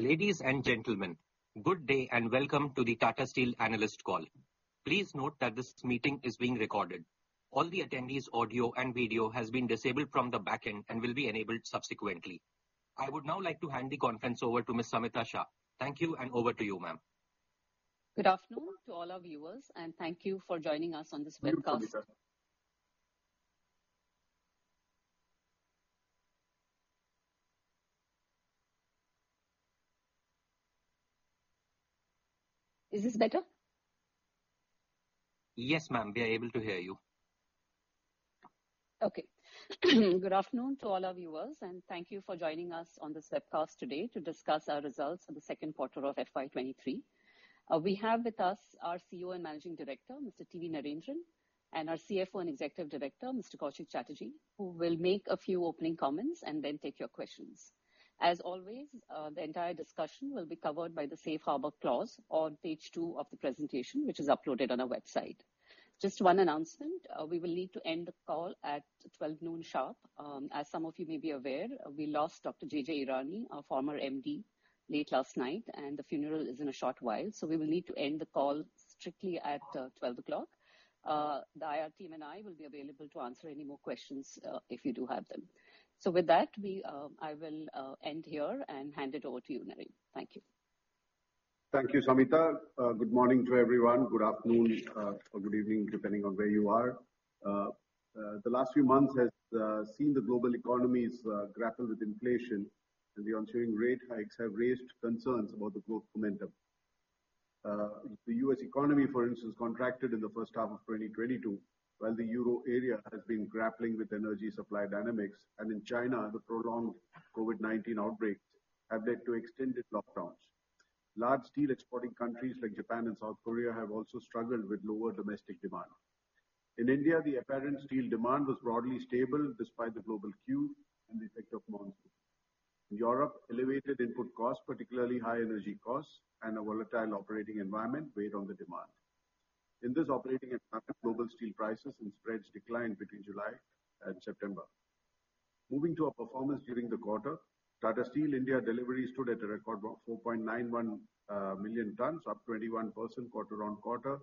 Ladies and gentlemen, good day and welcome to the Tata Steel Analyst Call. Please note that this meeting is being recorded. All the attendees' audio and video has been disabled from the back end and will be enabled subsequently. I would now like to hand the conference over to Ms. Samita Shah. Thank you and over to you, ma'am. Good afternoon to all our viewers and thank you for joining us on this webcast. Good afternoon. Is this better? Yes, ma'am, we are able to hear you. Okay. Good afternoon to all our viewers, and thank you for joining us on this webcast today to discuss our results for the second quarter of FY23. We have with us our CEO and Managing Director, Mr. T.V. Narendran, and our CFO and Executive Director, Mr. Koushik Chatterjee, who will make a few opening comments and then take your questions. As always, the entire discussion will be covered by the safe harbor clause on page two of the presentation, which is uploaded on our website. Just one announcement. We will need to end the call at 12:00 P.M. sharp. As some of you may be aware, we lost Dr. J.J. Irani, our former MD, late last night, and the funeral is in a short while, so we will need to end the call strictly at 12:00 P.M. The IR team and I will be available to answer any more questions, if you do have them. With that, I will end here and hand it over to you, Naren. Thank you. Thank you, Samita. Good morning to everyone. Good afternoon, or good evening, depending on where you are. The last few months has seen the global economies grapple with inflation and the ensuing rate hikes have raised concerns about the growth momentum. The U.S. economy, for instance, contracted in the first half of 2022, while the Euro area has been grappling with energy supply dynamics, and in China, the prolonged COVID-19 outbreaks have led to extended lockdowns. Large steel exporting countries like Japan and South Korea have also struggled with lower domestic demand. In India, the apparent steel demand was broadly stable despite the global cues and the effect of monsoon. In Europe, elevated input costs, particularly high energy costs and a volatile operating environment, weighed on the demand. In this operating environment, global steel prices and spreads declined between July and September. Moving to our performance during the quarter, Tata Steel India delivery stood at a record of 4.91 million tonnes, up 21% quarter-on-quarter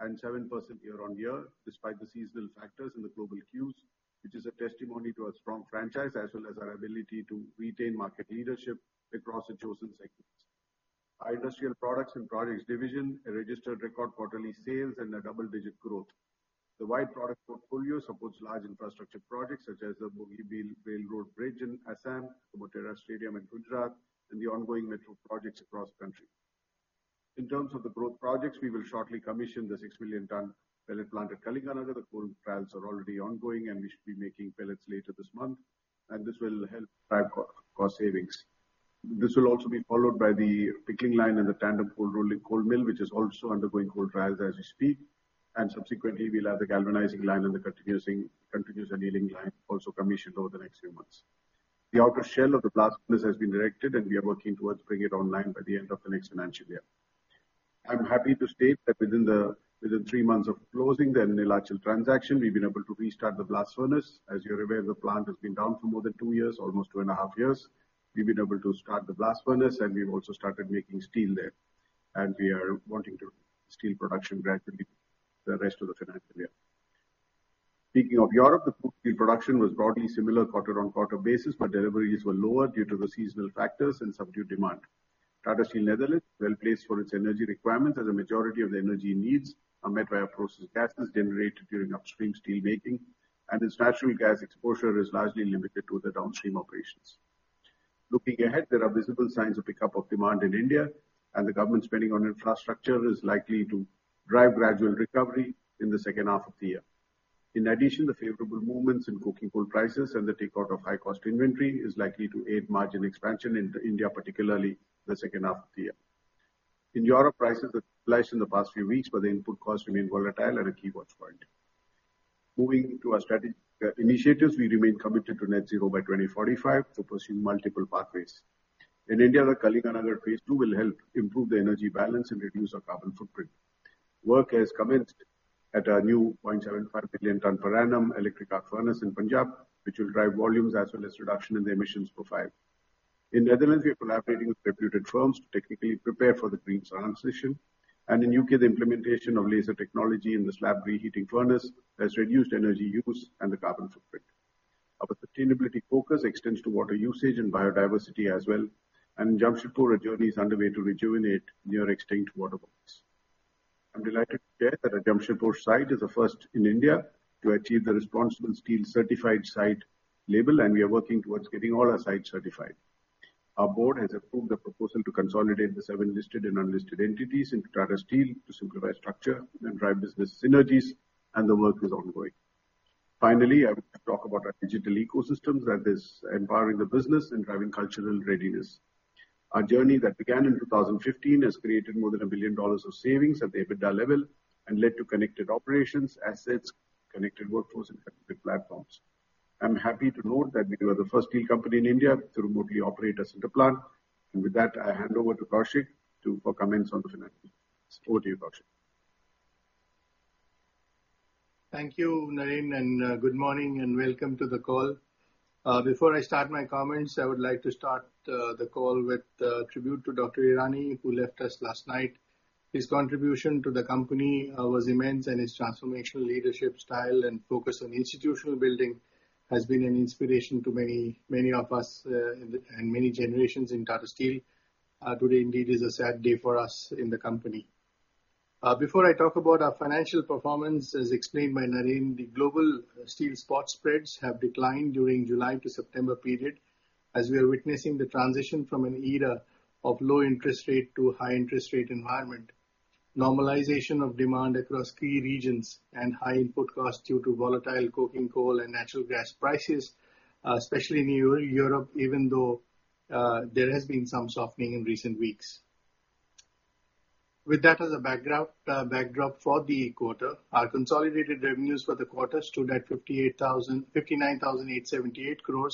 and 7% year-on-year despite the seasonal factors in the global cues, which is a testimony to our strong franchise as well as our ability to retain market leadership across the chosen segments. Our industrial products and projects division registered record quarterly sales and a double-digit growth. The wide product portfolio supports large infrastructure projects such as the Bogibeel Bridge in Assam, Motera Stadium in Gujarat, and the ongoing metro projects across country. In terms of the growth projects, we will shortly commission the 6 million tonne pellet plant at Kalinganagar. The cold trials are already ongoing and we should be making pellets later this month, and this will help drive cost savings. This will also be followed by the pickling line and the tandem cold rolling mill, which is also undergoing cold trials as we speak. Subsequently, we'll have the galvanizing line and the continuous annealing line also commissioned over the next few months. The outer shell of the blast furnace has been erected and we are working towards bringing it online by the end of the next financial year. I'm happy to state that within three months of closing the Neelachal transaction, we've been able to restart the blast furnace. As you're aware, the plant has been down for more than two years, almost two and a half years. We've been able to start the blast furnace, and we've also started making steel there. We are ramping up steel production gradually over the rest of the financial year. Speaking of Europe, the steel production was broadly similar on a quarter-on-quarter basis, but deliveries were lower due to the seasonal factors and subdued demand. Tata Steel Netherlands is well placed for its energy requirements as a majority of the energy needs are met via process gases generated during upstream steelmaking and its natural gas exposure is largely limited to the downstream operations. Looking ahead, there are visible signs of pickup of demand in India and the government spending on infrastructure is likely to drive gradual recovery in the second half of the year. In addition, the favorable movements in coking coal prices and the take out of high cost inventory is likely to aid margin expansion in India, particularly the second half of the year. In Europe, prices have stabilized in the past few weeks, but the input costs remain volatile and a key watch point. Moving to our initiatives, we remain committed to net zero by 2045 to pursue multiple pathways. In India, the Kalinganagar Phase II will help improve the energy balance and reduce our carbon footprint. Work has commenced at our new 0.75 million tonne per annum electric arc furnace in Punjab, which will drive volumes as well as reduction in the emissions profile. In Netherlands, we are collaborating with reputed firms to technically prepare for the green transition. In U.K., the implementation of laser technology in the slab reheating furnace has reduced energy use and the carbon footprint. Our sustainability focus extends to water usage and biodiversity as well. In Jamshedpur, a journey is underway to rejuvenate near extinct water bodies. I'm delighted to share that our Jamshedpur site is the first in India to achieve the ResponsibleSteel certified site label, and we are working towards getting all our sites certified. Our board has approved the proposal to consolidate the seven listed and unlisted entities into Tata Steel to simplify structure and drive business synergies and the work is ongoing. Finally, I want to talk about our digital ecosystems that is empowering the business and driving cultural readiness. Our journey that began in 2015 has created more than $1 billion of savings at the EBITDA level and led to connected operations, assets, connected workforce and connected platforms. I'm happy to note that we were the first steel company in India to remotely operate a center plant. With that, I hand over to Koushik for comments on the financials. Over to you, Koushik. Thank you, Naren, and good morning and welcome to the call. Before I start my comments, I would like to start the call with a tribute to Dr. J.J. Irani, who left us last night. His contribution to the company was immense, and his transformational leadership style and focus on institutional building has been an inspiration to many of us, and many generations in Tata Steel. Today indeed is a sad day for us in the company. Before I talk about our financial performance, as explained by Naren, the global steel spot spreads have declined during July to September period as we are witnessing the transition from an era of low interest rate to a high interest rate environment, normalization of demand across key regions and high input costs due to volatile coking coal and natural gas prices, especially in Europe, even though there has been some softening in recent weeks. With that as a background, backdrop for the quarter, our consolidated revenues for the quarter stood at 59,878 crore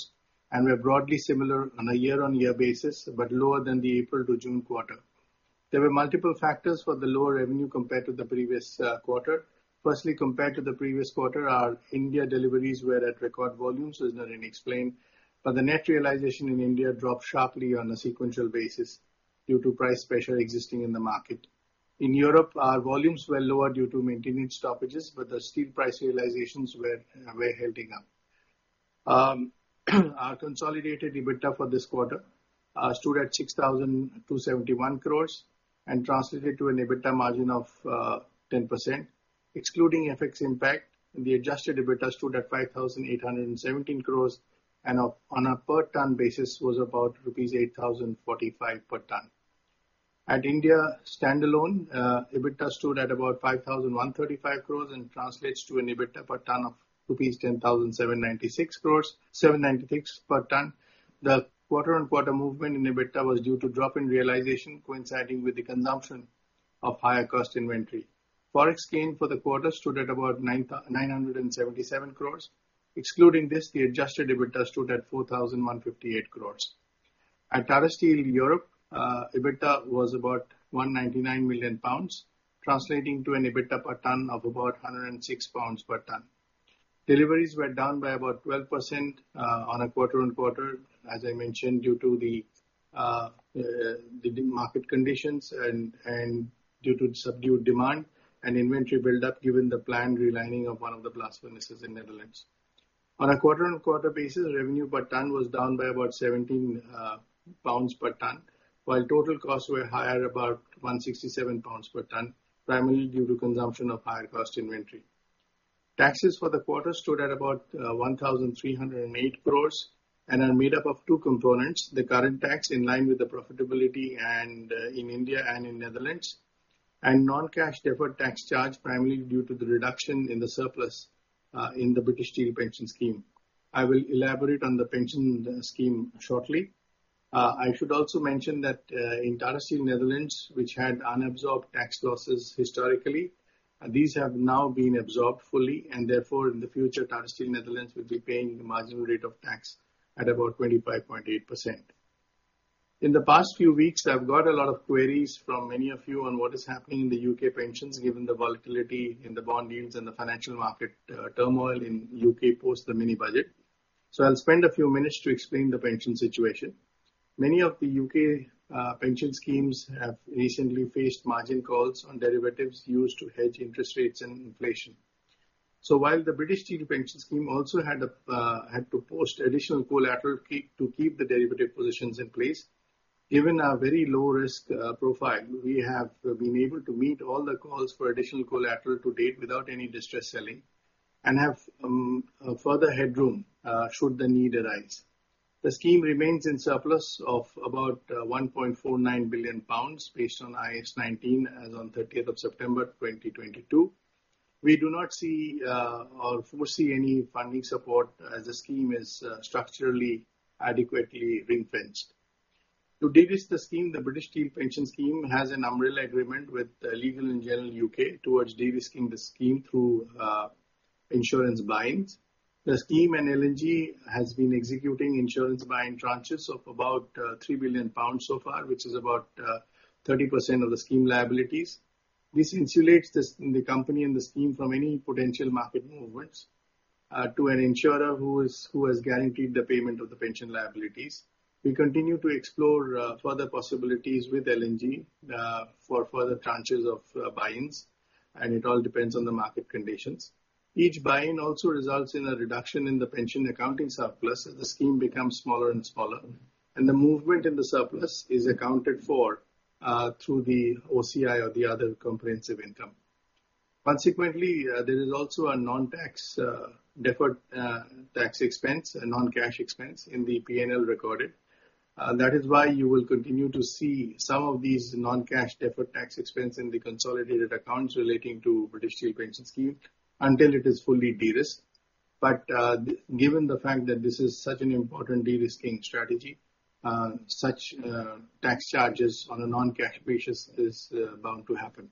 and were broadly similar on a year-on-year basis, but lower than the April to June quarter. There were multiple factors for the lower revenue compared to the previous quarter. Firstly, compared to the previous quarter, our India deliveries were at record volumes, as Naren explained. The net realization in India dropped sharply on a sequential basis due to price pressure existing in the market. In Europe, our volumes were lower due to maintenance stoppages, but the steel price realizations were holding up. Our consolidated EBITDA for this quarter stood at 6,271 crore and translated to an EBITDA margin of 10%. Excluding FX impact, the adjusted EBITDA stood at 5,817 crore and on a per tonne basis was about rupees 8,045 per tonne. At India standalone, EBITDA stood at about 5,135 crore and translates to an EBITDA per tonne of rupees 10,796 per tonne. The quarter-on-quarter movement in EBITDA was due to drop in realization coinciding with the consumption of higher cost inventory. Forex gain for the quarter stood at about 977 crore. Excluding this, the adjusted EBITDA stood at 4,158 crore. At Tata Steel Europe, EBITDA was about 199 million pounds, translating to an EBITDA per tonne of about 106 pounds per tonne. Deliveries were down by about 12% on a quarter-over-quarter, as I mentioned, due to the market conditions and due to subdued demand and inventory buildup given the planned relining of one of the blast furnaces in Netherlands. On a quarter-over-quarter basis, revenue per ton was down by about 17 pounds per tonne, while total costs were higher, about 167 pounds per tonne, primarily due to consumption of higher cost inventory. Taxes for the quarter stood at about 1,308 crore and are made up of two components, the current tax in line with the profitability and in India and in Netherlands, and non-cash deferred tax charge primarily due to the reduction in the surplus in the British Steel Pension Scheme. I will elaborate on the pension scheme shortly. I should also mention that in Tata Steel Netherlands, which had unabsorbed tax losses historically, these have now been absorbed fully and therefore, in the future, Tata Steel Netherlands will be paying the marginal rate of tax at about 25.8%. In the past few weeks, I've got a lot of queries from many of you on what is happening in the U.K. pensions given the volatility in the bond yields and the financial market turmoil in the U.K. post the mini budget. I'll spend a few minutes to explain the pension situation. Many of the U.K. pension schemes have recently faced margin calls on derivatives used to hedge interest rates and inflation. While the British Steel Pension Scheme also had to post additional collateral to keep the derivative positions in place, given our very low risk profile, we have been able to meet all the calls for additional collateral to date without any distress selling and have further headroom should the need arise. The scheme remains in surplus of about 1.49 billion pounds based on IAS 19 as on 30th of September 2022. We do not see or foresee any funding support as the scheme is structurally adequately ring-fenced. To de-risk the scheme, the British Steel Pension Scheme has an umbrella agreement with Legal & General UK towards de-risking the scheme through insurance buy-ins. The scheme and L&G has been executing insurance buy-in tranches of about 3 billion pounds so far, which is about 30% of the scheme liabilities. This insulates the company and the scheme from any potential market movements to an insurer who has guaranteed the payment of the pension liabilities. We continue to explore further possibilities with L&G for further tranches of buy-ins, and it all depends on the market conditions. Each buy-in also results in a reduction in the pension accounting surplus as the scheme becomes smaller and smaller, and the movement in the surplus is accounted for through the OCI or the other comprehensive income. Consequently, there is also a non-tax deferred tax expense, a non-cash expense in the P&L recorded. That is why you will continue to see some of these non-cash deferred tax expense in the consolidated accounts relating to British Steel Pension Scheme until it is fully de-risked. Given the fact that this is such an important de-risking strategy, such tax charges on a non-cash basis is bound to happen.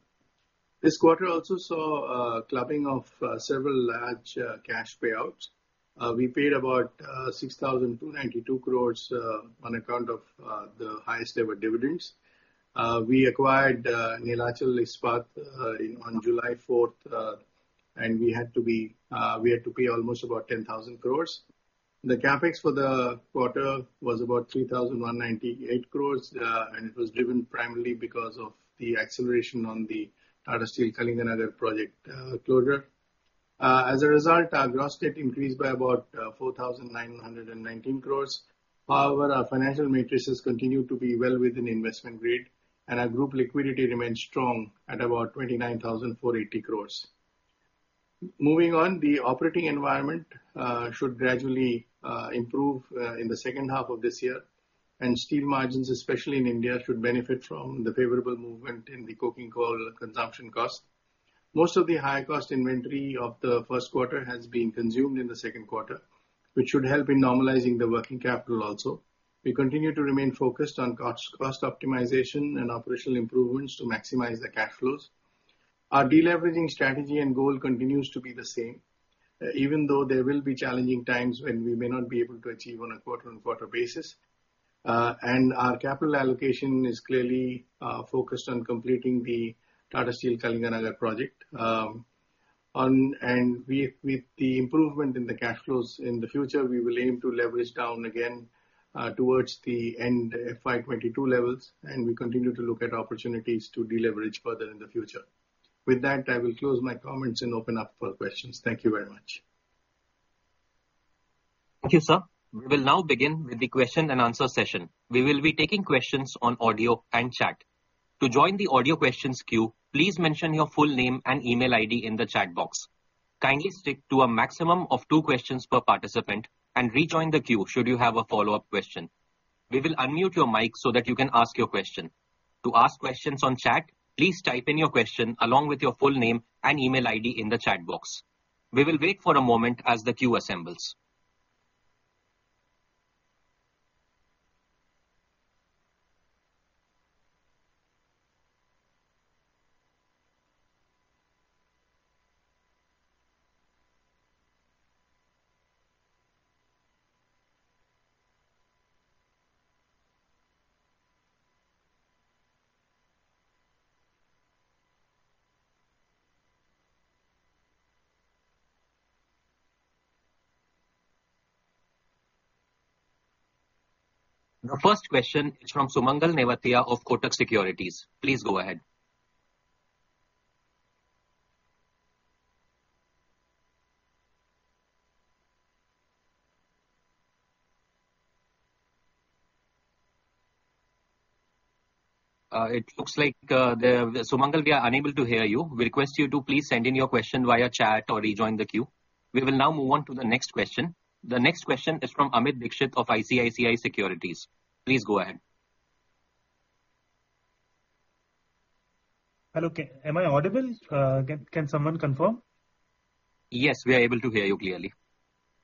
This quarter also saw clubbing of several large cash payouts. We paid about 6,292 crore on account of the highest ever dividends. We acquired Neelachal Ispat on July 4th, and we had to pay almost about 10,000 crore. The CapEx for the quarter was about 3,198 crore, and it was driven primarily because of the acceleration on the Tata Steel Kalinganagar project closure. As a result, our gross debt increased by about 4,919 crore. However, our financial metrics continue to be well within investment grade, and our group liquidity remains strong at about 29,480 crore. Moving on, the operating environment should gradually improve in the second half of this year, and steel margins, especially in India, should benefit from the favorable movement in the coking coal consumption cost. Most of the high cost inventory of the first quarter has been consumed in the second quarter, which should help in normalizing the working capital also. We continue to remain focused on cost optimization and operational improvements to maximize the cash flows. Our de-leveraging strategy and goal continues to be the same, even though there will be challenging times when we may not be able to achieve on a quarter-on-quarter basis. Our capital allocation is clearly focused on completing the Tata Steel Kalinganagar project. With the improvement in the cash flows in the future, we will aim to leverage down again, towards the end FY 2022 levels, and we continue to look at opportunities to de-leverage further in the future. With that, I will close my comments and open up for questions. Thank you very much. Thank you, sir. We will now begin with the question and answer session. We will be taking questions on audio and chat. To join the audio questions queue, please mention your full name and email ID in the chat box. Kindly stick to a maximum of two questions per participant and rejoin the queue should you have a follow-up question. We will unmute your mic so that you can ask your question. To ask questions on chat, please type in your question along with your full name and email ID in the chat box. We will wait for a moment as the queue assembles. The first question is from Sumangal Nevatia of Kotak Securities. Please go ahead. It looks like the Sumangal, we are unable to hear you. We request you to please send in your question via chat or rejoin the queue. We will now move on to the next question. The next question is from Amit Dixit of ICICI Securities. Please go ahead. Hello, am I audible? Can someone confirm? Yes, we are able to hear you clearly.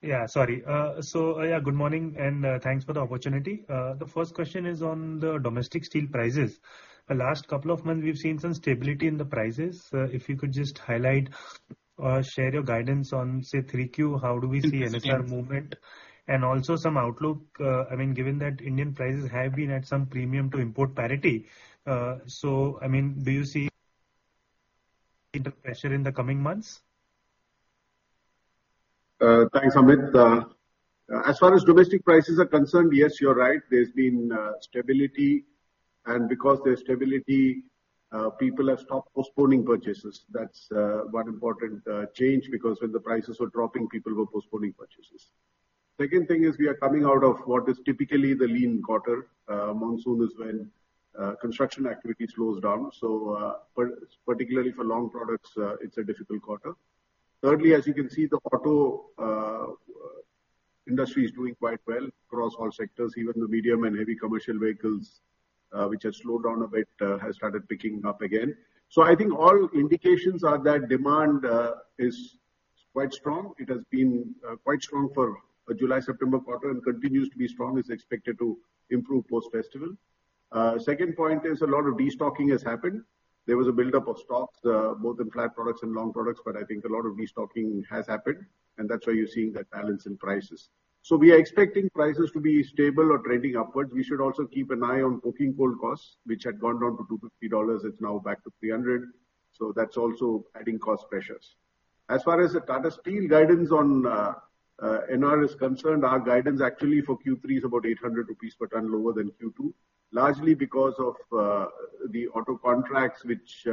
Good morning and thanks for the opportunity. The first question is on the domestic steel prices. The last couple of months, we've seen some stability in the prices. If you could just highlight or share your guidance on, say, 3Q, how do we see NSR movement and also some outlook, I mean, given that Indian prices have been at some premium to import parity. I mean, do you see pressure in the coming months? Thanks, Amit. As far as domestic prices are concerned, yes, you're right. There's been stability. Because there's stability, people have stopped postponing purchases. That's one important change because when the prices were dropping, people were postponing purchases. Second thing is we are coming out of what is typically the lean quarter. Monsoon is when construction activity slows down. Particularly for long products, it's a difficult quarter. Thirdly, as you can see, the auto industry is doing quite well across all sectors. Even the medium and heavy commercial vehicles, which have slowed down a bit, has started picking up again. I think all indications are that demand is quite strong. It has been quite strong for the July-September quarter and continues to be strong. It's expected to improve post-festival. Second point is a lot of de-stocking has happened. There was a buildup of stocks, both in flat products and long products, but I think a lot of de-stocking has happened, and that's why you're seeing that balance in prices. We are expecting prices to be stable or trending upwards. We should also keep an eye on coking coal costs, which had gone down to $250. It's now back to $300. That's also adding cost pressures. As far as the Tata Steel guidance on NSR is concerned, our guidance actually for Q3 is about 800 rupees per tonne lower than Q2, largely because of the auto contracts which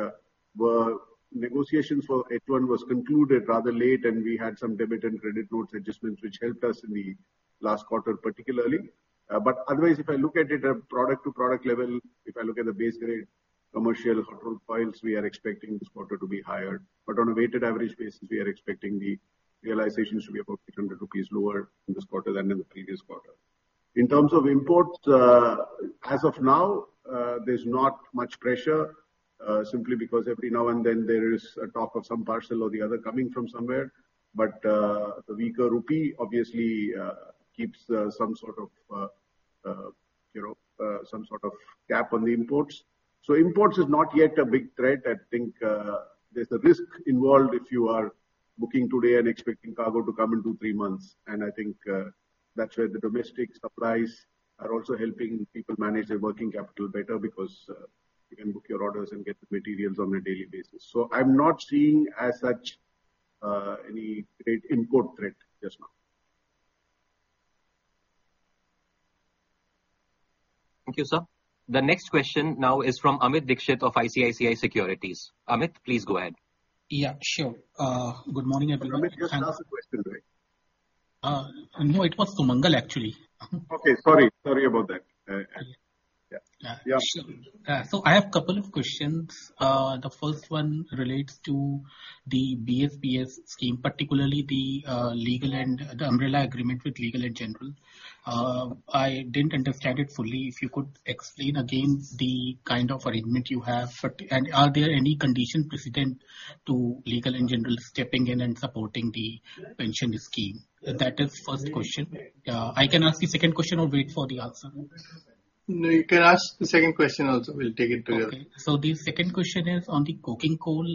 were negotiations for H1 was concluded rather late, and we had some debit and credit notes adjustments which helped us in the last quarter particularly. Otherwise if I look at it at product to product level, if I look at the base grade commercial auto files, we are expecting this quarter to be higher. On a weighted average basis, we are expecting the realization should be about 800 rupees lower in this quarter than in the previous quarter. In terms of imports, as of now, there's not much pressure, simply because every now and then there is a talk of some parcel or the other coming from somewhere. The weaker rupee obviously keeps some sort of, you know, some sort of cap on the imports. Imports is not yet a big threat. I think, there's a risk involved if you are booking today and expecting cargo to come in 2-3 months. I think that's where the domestic supplies are also helping people manage their working capital better because you can book your orders and get the materials on a daily basis. I'm not seeing as such any trade import threat just now. Thank you, sir. The next question now is from Amit Dixit of ICICI Securities. Amit, please go ahead. Yeah, sure. Good morning, everyone. Amit just asked a question, right? No, it was Sumangal actually. Okay. Sorry about that. Yeah. Yeah. Yeah. I have a couple of questions. The first one relates to the BSPS scheme, particularly the Legal & General umbrella agreement with Legal & General. I didn't understand it fully. If you could explain again the kind of arrangement you have. Are there any condition precedent to Legal & General stepping in and supporting the pension scheme? That is first question. I can ask the second question or wait for the answer. No, you can ask the second question also. We'll take it together. The second question is on the coking coal.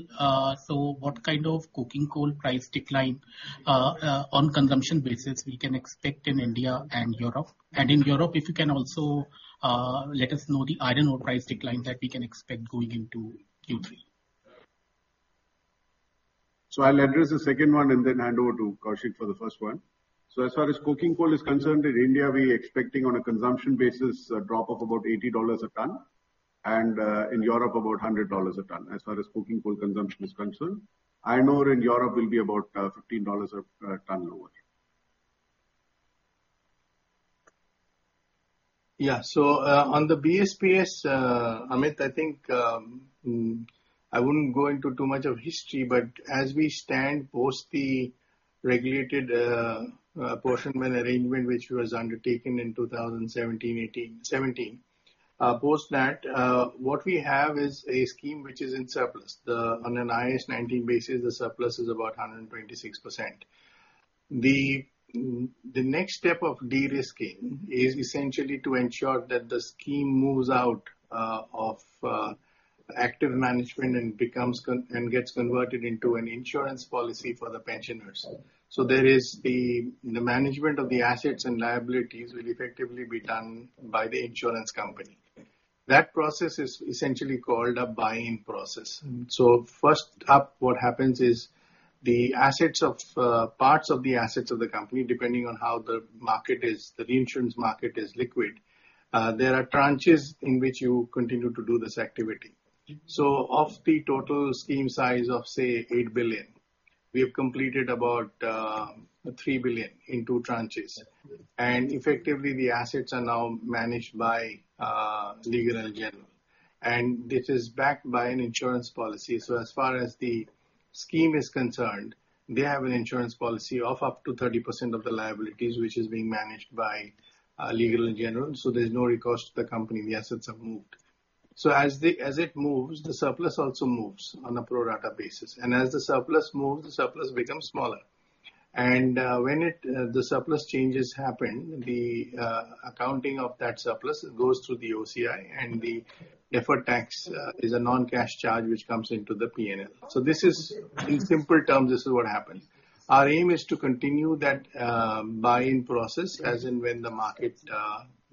What kind of coking coal price decline on consumption basis we can expect in India and Europe? In Europe, if you can also let us know the iron ore price decline that we can expect going into Q3. I'll address the second one and then hand over to Koushik for the first one. As far as coking coal is concerned, in India, we're expecting on a consumption basis a drop of about $80 a tonne and in Europe, about $100 a tonne as far as coking coal consumption is concerned. Iron ore in Europe will be about $15 a tonne lower. On the BSPS, Sumangal, I think I wouldn't go into too much of history, but as we stand post the regulated pension arrangement, which was undertaken in 2017. Post that, what we have is a scheme which is in surplus. On an IAS 19 basis, the surplus is about 126%. The next step of de-risking is essentially to ensure that the scheme moves out of active management and becomes and gets converted into an insurance policy for the pensioners. The management of the assets and liabilities will effectively be done by the insurance company. That process is essentially called a buy-in process. First up, what happens is the assets of parts of the assets of the company, depending on how the market is, the insurance market is liquid, there are tranches in which you continue to do this activity. Of the total scheme size of say, 8 billion, we have completed about 3 billion in two tranches. Effectively the assets are now managed by Legal & General, and this is backed by an insurance policy. As far as the scheme is concerned, they have an insurance policy of up to 30% of the liabilities, which is being managed by Legal & General. There's no recourse to the company, the assets have moved. As it moves, the surplus also moves on a pro rata basis. As the surplus moves, the surplus becomes smaller. When the surplus changes happen, the accounting of that surplus goes through the OCI and the deferred tax is a non-cash charge which comes into the P&L. This is, in simple terms, what happens. Our aim is to continue that buy-in process as and when the market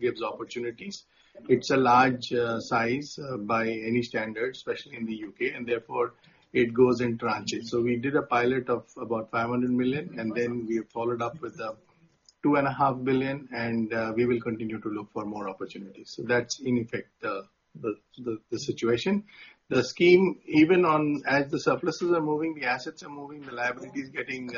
gives opportunities. It's a large size by any standard, especially in the U.K., and therefore it goes in tranches. We did a pilot of about 500 million, and then we followed up with 2.5 billion, and we will continue to look for more opportunities. That's in effect the situation. The scheme, even as the surpluses are moving, the assets are moving, the liabilities getting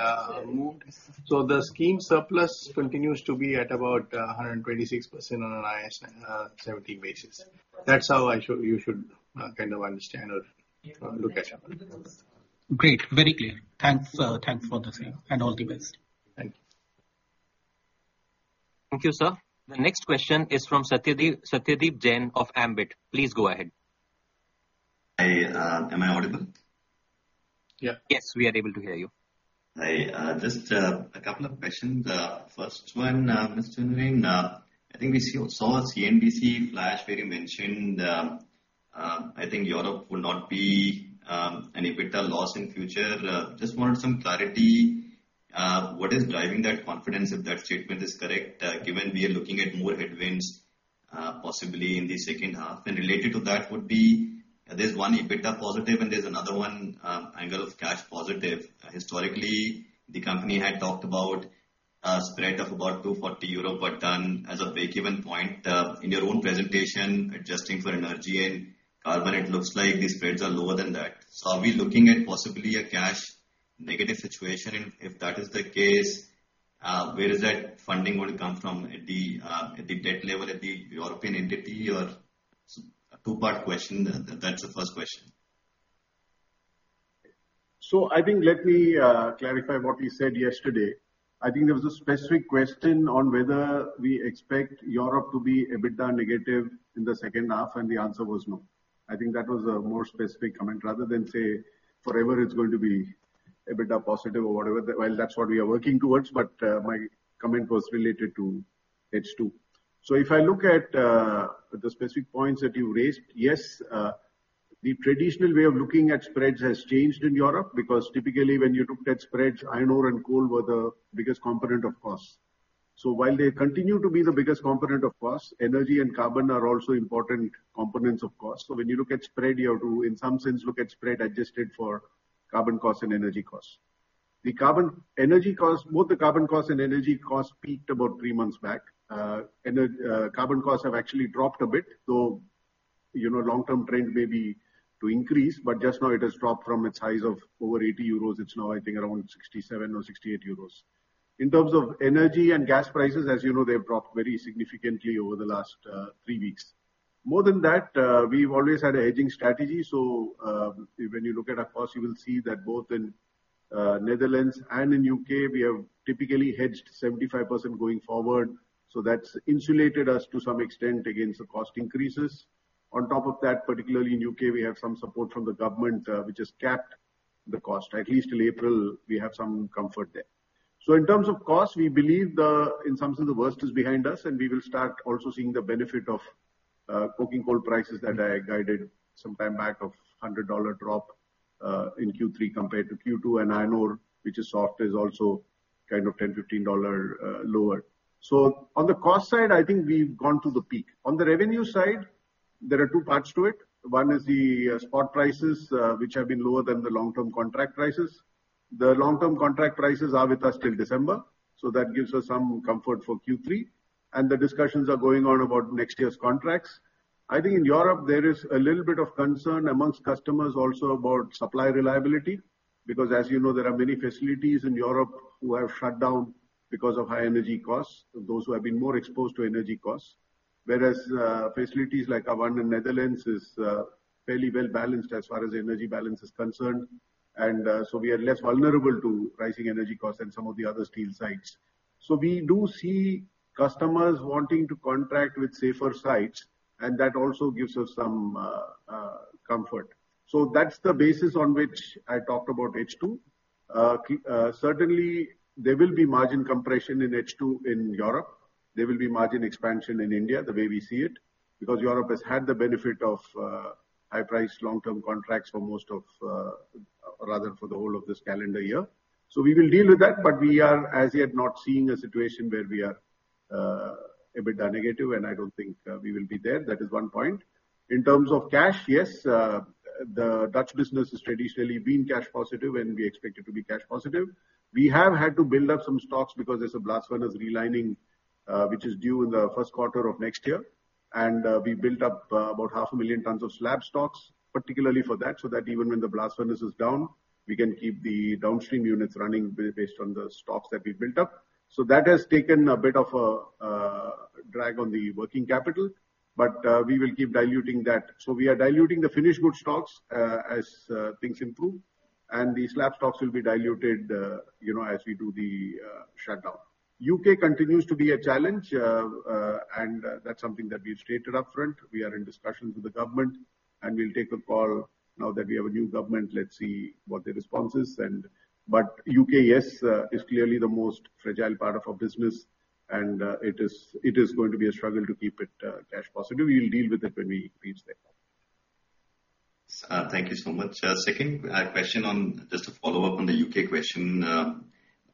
moved. The scheme surplus continues to be at about 126% on an IAS 17 basis. That's how you should kind of understand or look at it. Great. Very clear. Thanks for the same, and all the best. Thank you. Thank you, sir. The next question is from Satyadeep Jain of Ambit. Please go ahead. Am I audible? Yeah. Yes, we are able to hear you. I just a couple of questions. First one, Mr. Naren, I think we saw a CNBC flash where you mentioned, I think Europe will not be an EBITDA loss in future. Just wanted some clarity, what is driving that confidence if that statement is correct, given we are looking at more headwinds possibly in the second half? Related to that would be, there's one EBITDA positive and there's another one angle of cash positive. Historically, the company had talked about a spread of about 240 euro per tonne as a break-even point. In your own presentation, adjusting for energy and carbon, it looks like the spreads are lower than that. Are we looking at possibly a cash negative situation? If that is the case, where is that funding going to come from? At the debt level, at the European entity or. It's a two-part question. That's the first question. I think let me clarify what we said yesterday. I think there was a specific question on whether we expect Europe to be EBITDA negative in the second half, and the answer was no. I think that was a more specific comment rather than say forever it's going to be EBITDA positive or whatever. Well, that's what we are working towards. My comment was related to H2. If I look at the specific points that you raised, yes, the traditional way of looking at spreads has changed in Europe because typically when you looked at spreads, iron ore and coal were the biggest component of cost. While they continue to be the biggest component of cost, energy and carbon are also important components of cost. When you look at spread, you have to, in some sense, look at spread adjusted for carbon cost and energy cost. Both the carbon cost and energy cost peaked about three months back. Carbon costs have actually dropped a bit. You know, long-term trend may be to increase, but just now it has dropped from its highs of over 80 euros. It's now, I think, around 67 or 68 euros. In terms of energy and gas prices, as you know, they've dropped very significantly over the last three weeks. More than that, we've always had a hedging strategy. When you look at our costs you will see that both in Netherlands and in U.K. we have typically hedged 75% going forward. That's insulated us to some extent against the cost increases. On top of that, particularly in U.K., we have some support from the government, which has capped the cost. At least till April we have some comfort there. In terms of cost, we believe in some sense the worst is behind us, and we will start also seeing the benefit of coking coal prices that I guided some time back of $100 drop in Q3 compared to Q2. Iron ore, which is soft, is also kind of $10-$15 lower. On the cost side, I think we've gone through the peak. On the revenue side, there are two parts to it. One is the spot prices which have been lower than the long-term contract prices. The long-term contract prices are with us till December, so that gives us some comfort for Q3. The discussions are going on about next year's contracts. I think in Europe there is a little bit of concern among customers also about supply reliability, because as you know, there are many facilities in Europe who have shut down because of high energy costs, those who have been more exposed to energy costs. Whereas, facilities like our one in Netherlands is fairly well-balanced as far as energy balance is concerned, and so we are less vulnerable to rising energy costs than some of the other steel sites. We do see customers wanting to contract with safer sites, and that also gives us some comfort. That's the basis on which I talked about H2. Certainly there will be margin compression in H2 in Europe. There will be margin expansion in India, the way we see it, because Europe has had the benefit of high-priced long-term contracts for most of, rather for the whole of this calendar year. We will deal with that, but we are as yet not seeing a situation where we are EBITDA negative, and I don't think we will be there. That is one point. In terms of cash, yes, the Dutch business has traditionally been cash positive, and we expect it to be cash positive. We have had to build up some stocks because there's a blast furnace relining, which is due in the first quarter of next year. We built up about 500,000 tonnes of slab stocks, particularly for that, so that even when the blast furnace is down, we can keep the downstream units running based on the stocks that we've built up. That has taken a bit of a drag on the working capital, but we will keep diluting that. We are diluting the finished goods stocks as things improve, and the slab stocks will be diluted, you know, as we do the shutdown. U.K. continues to be a challenge. That's something that we've stated up front. We are in discussions with the government, and we'll take a call now that we have a new government. Let's see what the response is. U.K., yes, is clearly the most fragile part of our business and it is going to be a struggle to keep it cash positive. We'll deal with it when we reach there. Thank you so much. Second question on, just a follow-up on the U.K. question.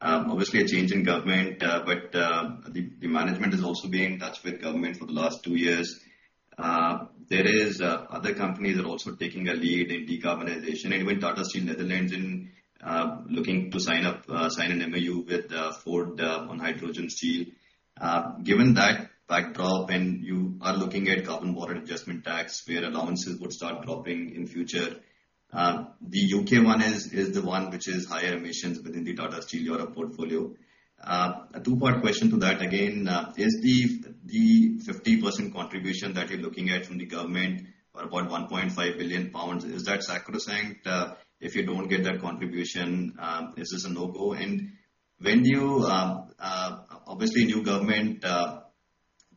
Obviously a change in government, but the management has also been in touch with government for the last two years. There are other companies also taking a lead in decarbonization, and with Tata Steel Netherlands looking to sign an MOU with Ford on hydrogen steel. Given that backdrop, and you are looking at Carbon Border Adjustment Tax, where allowances would start dropping in future, the U.K. one is the one which is higher emissions within the Tata Steel Europe portfolio. A two-part question to that again. Is the 50% contribution that you're looking at from the government worth about 1.5 billion pounds, is that sacrosanct? If you don't get that contribution, is this a no-go? When you obviously new government,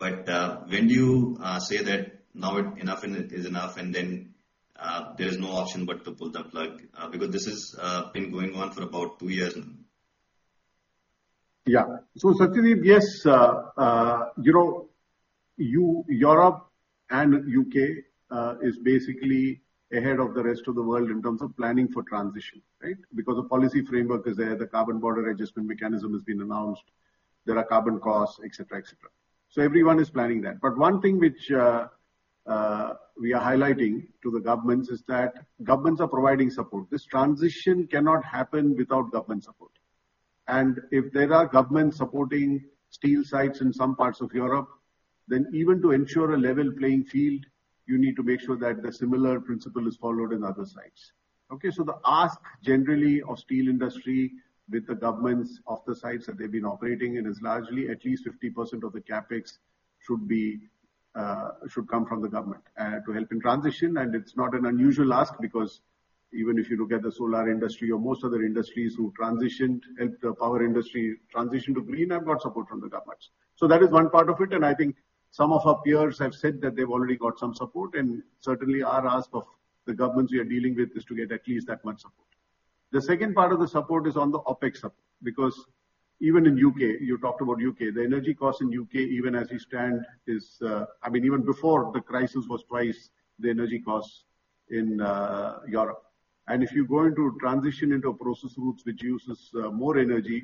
but when do you say that now, enough is enough and then there is no option but to pull the plug? Because this has been going on for about two years now. Yeah. Satyadeep, yes, you know, Europe and U.K. is basically ahead of the rest of the world in terms of planning for transition, right? Because the policy framework is there, the Carbon Border Adjustment Mechanism has been announced, there are carbon costs, et cetera, et cetera. Everyone is planning that. One thing which we are highlighting to the governments is that governments are providing support. This transition cannot happen without government support. If there are governments supporting steel sites in some parts of Europe, then even to ensure a level playing field, you need to make sure that the similar principle is followed in other sites. Okay? The ask generally of the steel industry with the governments of the sites that they've been operating in is largely at least 50% of the CapEx should come from the government, to help in transition. It's not an unusual ask, because even if you look at the solar industry or most other industries who transitioned, and the power industry transitioned to green, have got support from the governments. That is one part of it, and I think some of our peers have said that they've already got some support, and certainly our ask of the governments we are dealing with is to get at least that much support. The second part of the support is on the OpEx support, because even in U.K., you talked about U.K., the energy costs in U.K. even as we stand is, I mean, even before the crisis was twice the energy costs in, Europe. If you're going to transition into a process route which uses, more energy,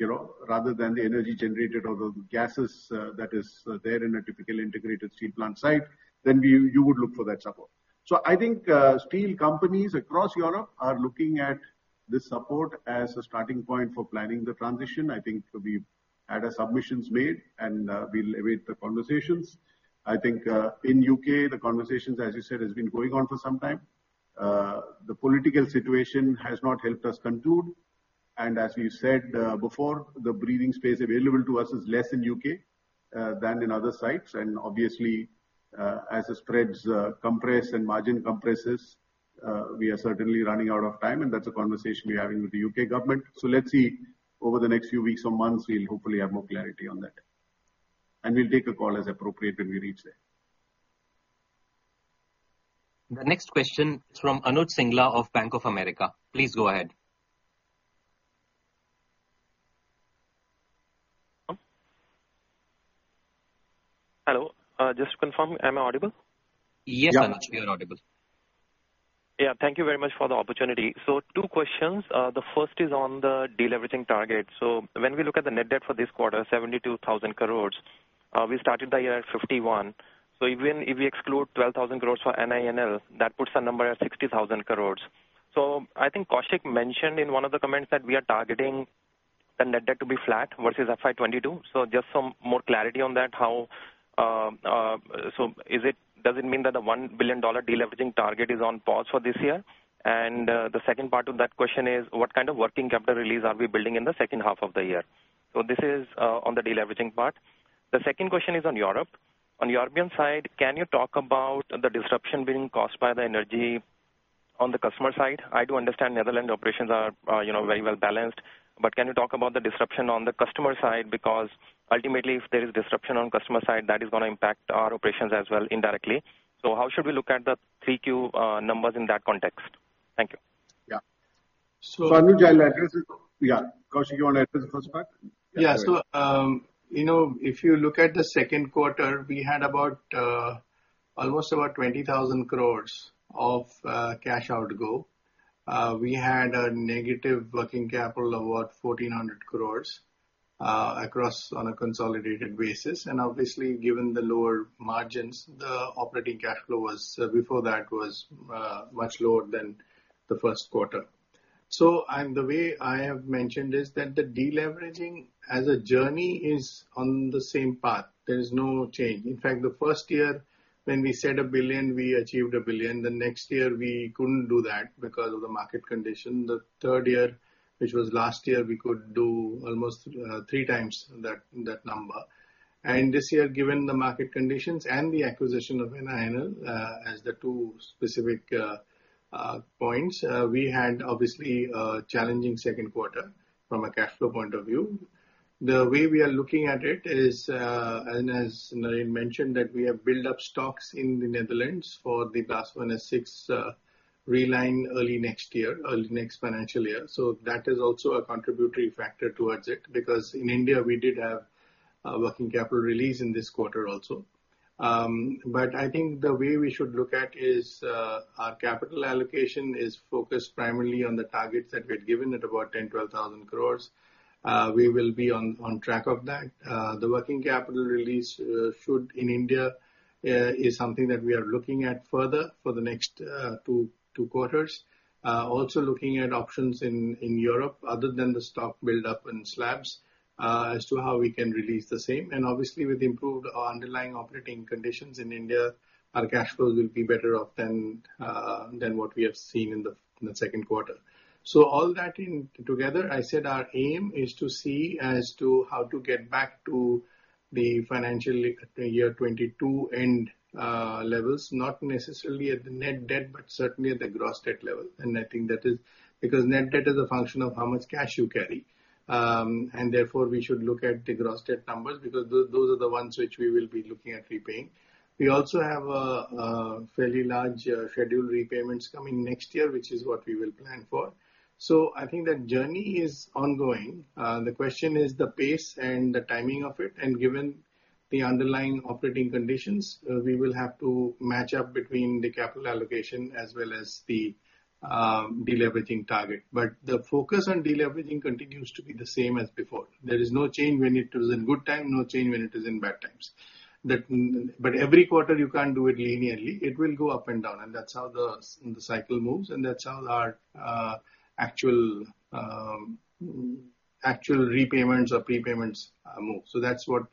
you know, rather than the energy generated or the gases, that is there in a typical integrated steel plant site, then you would look for that support. I think steel companies across Europe are looking at this support as a starting point for planning the transition. I think we've had our submissions made and, we'll await the conversations. I think in U.K., the conversations, as you said, has been going on for some time. The political situation has not helped us conclude. As we said before, the breathing space available to us is less in U.K. than in other sites. Obviously, as the spreads compress and margin compresses, we are certainly running out of time, and that's a conversation we're having with the U.K. government. Let's see. Over the next few weeks or months, we'll hopefully have more clarity on that. We'll take a call as appropriate when we reach there. The next question is from Anuj Singla of Bank of America. Please go ahead. Hello. Just to confirm, am I audible? Yes, Anuj, you're audible. Thank you very much for the opportunity. Two questions. The first is on the deleveraging target. When we look at the net debt for this quarter, 72,000 crore. We started the year at 51. Even if we exclude 12,000 crore for NINL, that puts our number at 60,000 crore. I think Koushik mentioned in one of the comments that we are targeting the net debt to be flat versus FY22. Just some more clarity on that. How, so is it, does it mean that the $1 billion deleveraging target is on pause for this year? The second part of that question is, what kind of working capital release are we building in the second half of the year? This is on the deleveraging part. The second question is on Europe. On the European side, can you talk about the disruption being caused by the energy on the customer side? I do understand Netherlands operations are, you know, very well balanced, but can you talk about the disruption on the customer side? Because ultimately, if there is disruption on customer side, that is gonna impact our operations as well indirectly. So how should we look at the 3Q numbers in that context? Thank you. Yeah. Anuj, I'll address it. Yeah. Koushik, you wanna address the first part? Yeah. You know, if you look at the second quarter, we had about almost 20,000 crore of cash outgo. We had a negative working capital of 1,400 crore across on a consolidated basis. Obviously, given the lower margins, the operating cash flow was much lower than the first quarter. The way I have mentioned is that the deleveraging as a journey is on the same path. There is no change. In fact, the first year when we said a billion, we achieved a billion. The next year we couldn't do that because of the market condition. The third year, which was last year, we could do almost three times that number. This year, given the market conditions and the acquisition of NINL, as the two specific points, we had obviously a challenging second quarter from a cash flow point of view. The way we are looking at it is, and as Naren mentioned, that we have built up stocks in the Netherlands for the Blast Furnace 6 reline early next year, early next financial year. That is also a contributory factor towards it. Because in India we did have a working capital release in this quarter also. I think the way we should look at is, our capital allocation is focused primarily on the targets that we had given at about 10-12 thousand crore. We will be on track of that. The working capital release, in India, is something that we are looking at further for the next two quarters. Also looking at options in Europe other than the stock build up in slabs as to how we can release the same. Obviously with improved underlying operating conditions in India, our cash flows will be better off than what we have seen in the second quarter. All that in together, I said our aim is to see as to how to get back to the financial year 2022 end levels, not necessarily at the net debt, but certainly at the gross debt level. I think that is because net debt is a function of how much cash you carry. Therefore we should look at the gross debt numbers because those are the ones which we will be looking at repaying. We also have a fairly large scheduled repayments coming next year, which is what we will plan for. I think that journey is ongoing. The question is the pace and the timing of it. Given the underlying operating conditions, we will have to match up between the capital allocation as well as the deleveraging target. The focus on deleveraging continues to be the same as before. There is no change when it is in good time, no change when it is in bad times. That, every quarter you can't do it linearly. It will go up and down. That's how the cycle moves and that's how our actual repayments or prepayments move. That's what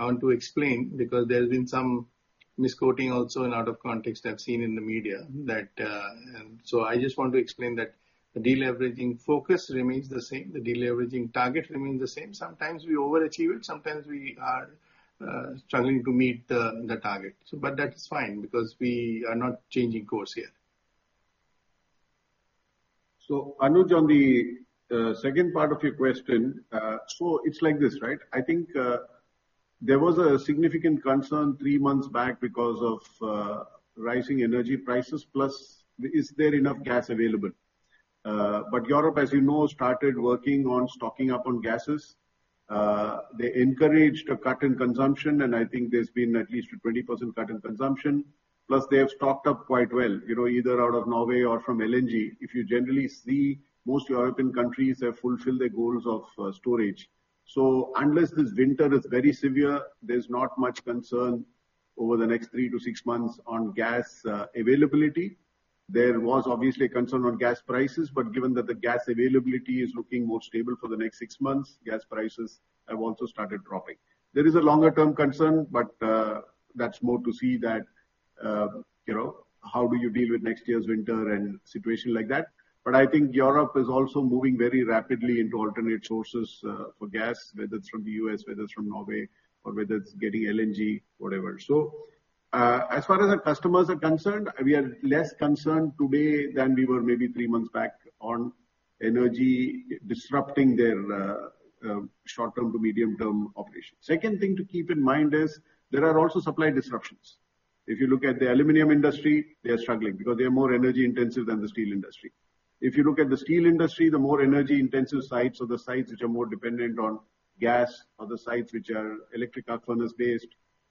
I want to explain because there's been some misquoting also out of context I've seen in the media, and I just want to explain that the deleveraging focus remains the same. The deleveraging target remains the same. Sometimes we overachieve it, sometimes we are struggling to meet the target. But that is fine because we are not changing course here. Anuj, on the second part of your question, it's like this, right? I think there was a significant concern three months back because of rising energy prices, plus is there enough gas available. Europe, as you know, started working on stocking up on gases. They encouraged a cut in consumption, and I think there's been at least a 20% cut in consumption. Plus they have stocked up quite well, you know, either out of Norway or from L&G. If you generally see, most European countries have fulfilled their goals of storage. Unless this winter is very severe, there's not much concern over the next 3-6 months on gas availability. There was obviously concern on gas prices, but given that the gas availability is looking more stable for the next six months, gas prices have also started dropping. There is a long-term concern, but that's more to see that, you know, how do you deal with next year's winter and situation like that. I think Europe is also moving very rapidly into alternative sources for gas, whether it's from the U.S., whether it's from Norway, or whether it's getting L&G, whatever. As far as our customers are concerned, we are less concerned today than we were maybe three months back on energy disrupting their short-term to medium-term operations. Second thing to keep in mind is there are also supply disruptions. If you look at the aluminum industry, they are struggling because they are more energy intensive than the steel industry. If you look at the steel industry, the more energy intensive sites or the sites which are more dependent on gas or the sites which are electric arc furnace-based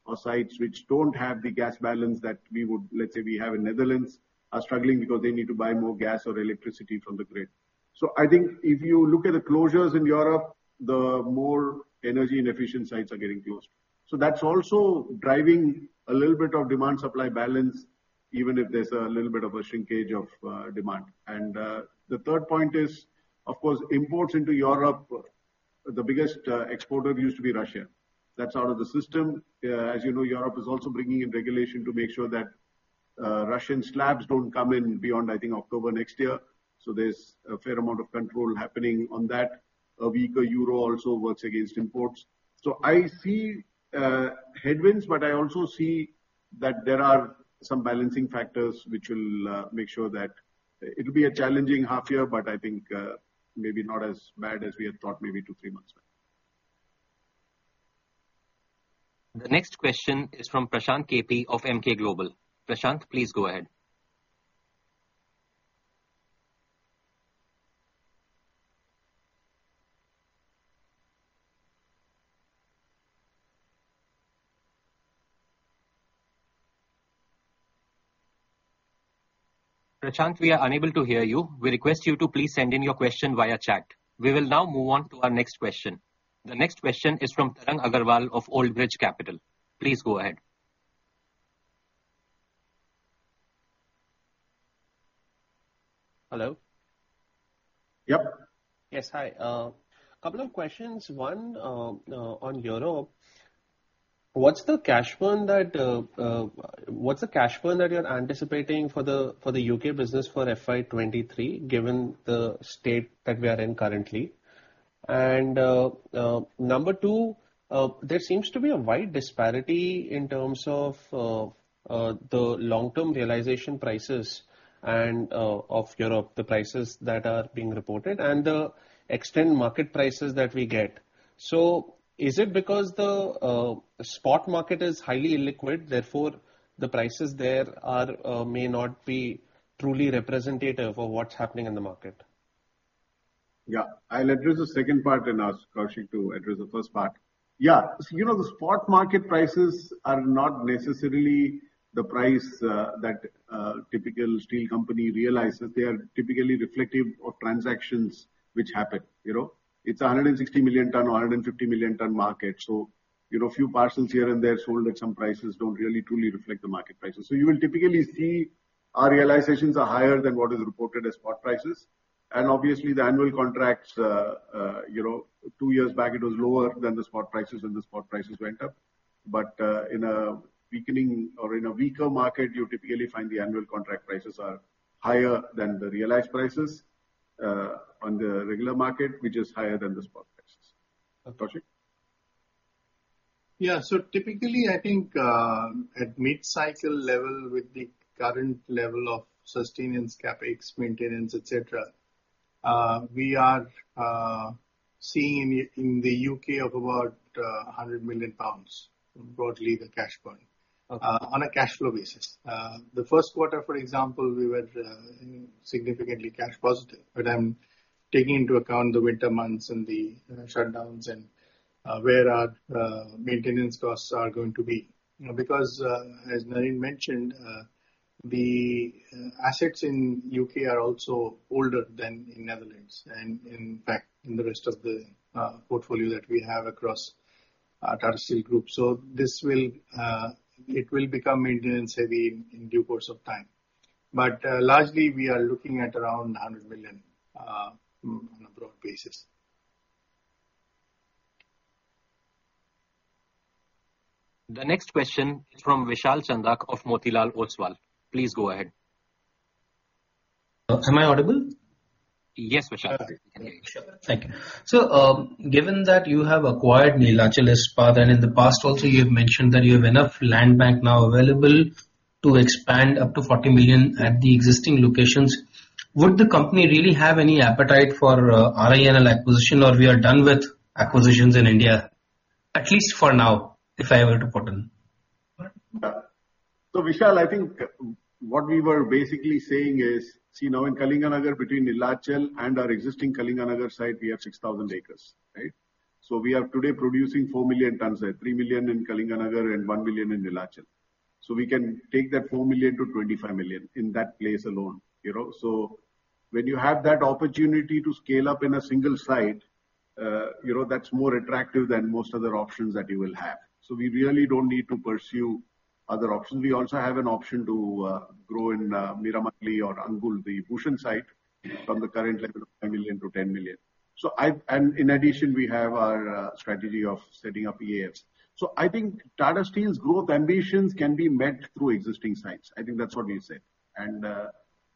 or sites which don't have the gas balance that we would, let's say we have in Netherlands, are struggling because they need to buy more gas or electricity from the grid. I think if you look at the closures in Europe, the more energy inefficient sites are getting closed. That's also driving a little bit of demand supply balance, even if there's a little bit of a shrinkage of demand. The third point is, of course, imports into Europe. The biggest exporter used to be Russia. That's out of the system. As you know, Europe is also bringing in regulation to make sure that Russian slabs don't come in beyond, I think, October next year. There's a fair amount of control happening on that. A weaker euro also works against imports. I see headwinds, but I also see that there are some balancing factors which will make sure that it'll be a challenging half year, but I think maybe not as bad as we had thought maybe two, three months back. The next question is from Prashant K.P. of Emkay Global. Prashant, please go ahead. Prashant, we are unable to hear you. We request you to please send in your question via chat. We will now move on to our next question. The next question is from Tarang Agrawal of Old Bridge Capital. Please go ahead. Hello? Yep. Yes. Hi. Couple of questions. One, on Europe, what's the cash burn that you're anticipating for the U.K. business for FY23, given the state that we are in currently? Number two, there seems to be a wide disparity in terms of the long-term realization prices in Europe, the prices that are being reported, and the index market prices that we get. So is it because the spot market is highly illiquid, therefore the prices there may not be truly representative of what's happening in the market? I'll address the second part and ask Koushik to address the first part. Yeah. You know the spot market prices are not necessarily the price that a typical steel company realizes. They are typically reflective of transactions which happen. You know, it's a 160 million tonne or a 150 million tonne market. You know, a few parcels here and there sold at some prices don't really truly reflect the market prices. You will typically see our realizations are higher than what is reported as spot prices. Obviously the annual contracts, you know, two years back it was lower than the spot prices when the spot prices went up. In a weakening or in a weaker market, you typically find the annual contract prices are higher than the realized prices on the regular market, which is higher than the spot prices. Koushik? Typically, I think, at mid-cycle level, with the current level of sustaining CapEx, maintenance, et cetera, we are seeing in the U.K. of about 100 million pounds, broadly the cash burn. Okay. On a cash flow basis. The first quarter, for example, we were significantly cash positive, but I'm taking into account the winter months and the shutdowns and where our maintenance costs are going to be. You know, because, as Naren mentioned, the assets in U.K. are also older than in Netherlands and in fact in the rest of the portfolio that we have across Tata Steel group. This will become maintenance heavy in due course of time. But largely we are looking at around 100 million on a broad basis. The next question is from Vishal Chandak of Motilal Oswal. Please go ahead. Am I audible? Yes, Vishal. Okay. Sure. Thank you. Given that you have acquired Neelachal Ispat, and in the past also you have mentioned that you have enough land bank now available to expand up to 40 million at the existing locations. Would the company really have any appetite for RINL acquisition or we are done with acquisitions in India, at least for now, if I were to put in? Vishal, I think what we were basically saying is, see now in Kalinganagar between Neelachal and our existing Kalinganagar site we have 6,000 acres, right? We are today producing 4 million tonnes, 3 million in Kalinganagar and 1 million in Neelachal. We can take that 4 million-25 million in that place alone, you know. When you have that opportunity to scale up in a single site, you know, that's more attractive than most other options that you will have. We really don't need to pursue other options. We also have an option to grow in Meramandali or Angul, the Bhushan site from the current level of 5 million-10 million. And in addition, we have our strategy of setting up EAFs. I think Tata Steel's growth ambitions can be met through existing sites. I think that's what we said.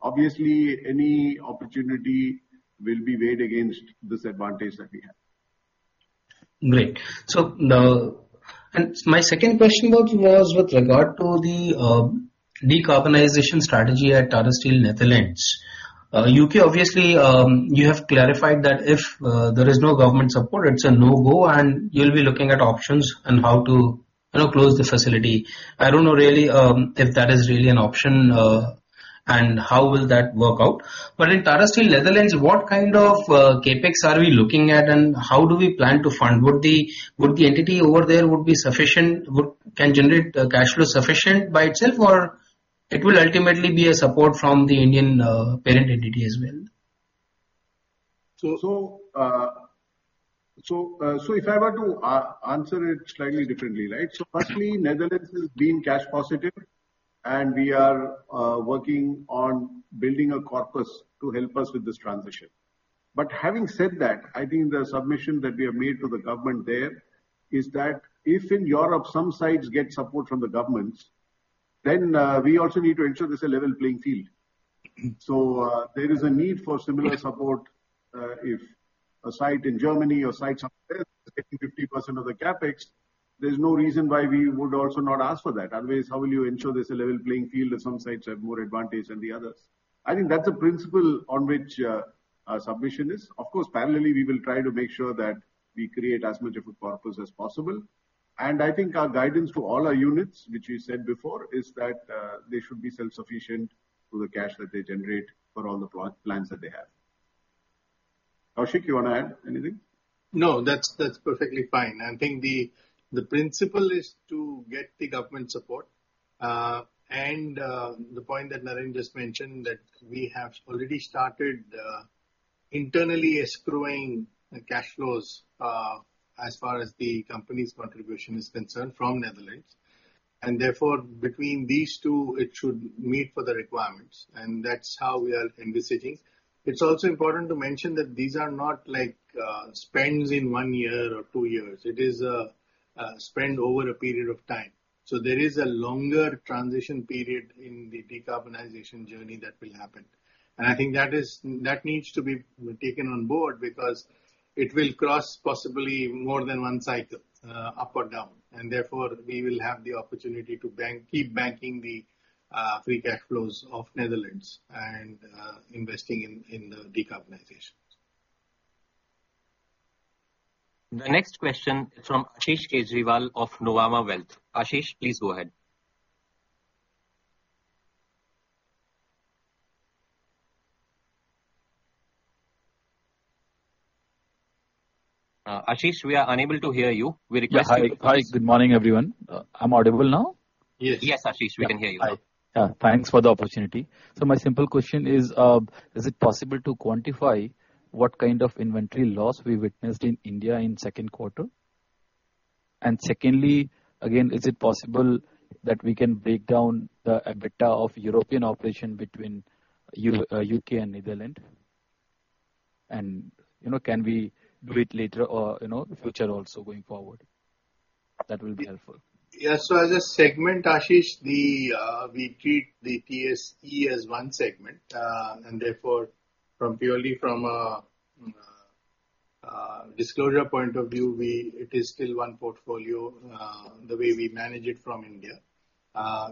Obviously, any opportunity will be weighed against this advantage that we have. Great. My second question was with regard to the decarbonization strategy at Tata Steel Netherlands. U.K. obviously, you have clarified that if there is no government support, it's a no-go and you'll be looking at options on how to, you know, close the facility. I don't know really if that is really an option and how will that work out. In Tata Steel Netherlands, what kind of CapEx are we looking at and how do we plan to fund? Would the entity over there generate sufficient cash flow by itself or will it ultimately need support from the Indian parent entity as well? If I were to answer it slightly differently, right? Firstly, Netherlands has been cash positive and we are working on building a corpus to help us with this transition. Having said that, I think the submission that we have made to the government there is that if in Europe some sites get support from the governments then we also need to ensure there's a level playing field. There is a need for similar support if a site in Germany or sites out there is getting 50% of the CapEx, there's no reason why we would also not ask for that. Otherwise, how will you ensure there's a level playing field if some sites have more advantage than the others? I think that's the principle on which our submission is. Of course, parallelly we will try to make sure that we create as much of a corpus as possible. I think our guidance to all our units, which we said before, is that they should be self-sufficient through the cash that they generate for all the plans that they have. Koushik, you wanna add anything? No, that's perfectly fine. I think the principle is to get the government support. The point that Naren just mentioned, that we have already started internally accruing the cash flows as far as the company's contribution is concerned from Netherlands. Therefore, between these two it should meet the requirements. That's how we are envisaging. It's also important to mention that these are not like spends in one year or two years. It is a spend over a period of time. There is a longer transition period in the decarbonization journey that will happen. I think that is, that needs to be taken on board because it will cross possibly more than one cycle, up or down, and therefore we will have the opportunity to bank, keep banking the free cash flows of Netherlands and investing in the decarbonization. The next question from Ashish Kejriwal of Nuvama Wealth. Ashish, please go ahead. Ashish, we are unable to hear you. We request you. Hi. Hi. Good morning, everyone. I'm audible now? Yes. Yes, Ashish. We can hear you now. Thanks for the opportunity. My simple question is it possible to quantify what kind of inventory loss we witnessed in India in second quarter? Secondly, again, is it possible that we can break down the EBITDA of European operation between U.K. and Netherlands? You know, can we do it later or, you know, the future also going forward? That will be helpful. As a segment, Ashish, we treat the TSE as one segment. Therefore purely from a disclosure point of view, we it is still one portfolio the way we manage it from India.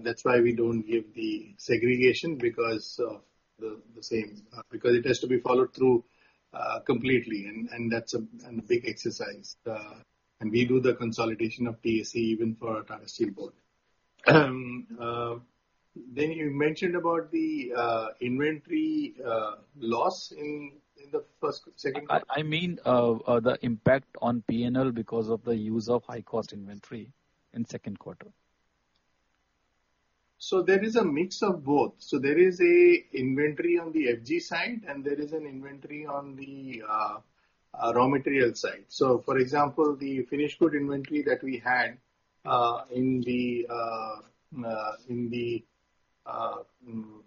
That's why we don't give the segregation because of the same because it has to be followed through completely and that's a big exercise. We do the consolidation of TSE even for our Tata Steel board. You mentioned about the inventory loss in the first second- I mean, the impact on P&L because of the use of high cost inventory in second quarter. There is a mix of both. There is an inventory on the FG side and there is an inventory on the raw material side. For example, the finished good inventory that we had in the